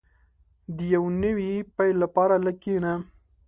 • د یو نوي پیل لپاره لږ کښېنه.